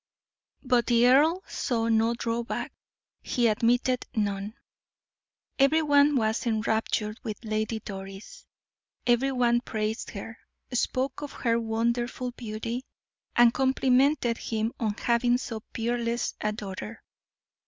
But the earl saw no drawback, he admitted none. Every one was enraptured with Lady Doris, every one praised her, spoke of her wonderful beauty, and complimented him on having so peerless a daughter.